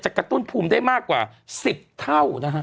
กระตุ้นภูมิได้มากกว่า๑๐เท่านะฮะ